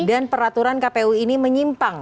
dan peraturan kpu ini menyimpang